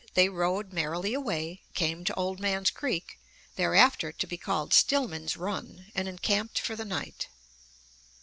They rode merrily away, came to Old Man's Creek, thereafter to be called Stillman's Run, and encamped for the night.